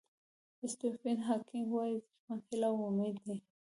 سټیفن هاکینګ وایي ژوند هیله او امید دی.